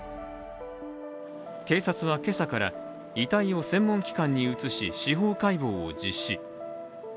警察は、今朝から遺体を専門機関に移し司法解剖を実施。